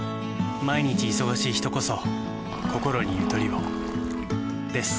毎日忙しい人こそこころにゆとりをです。